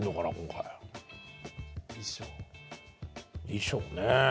衣装ね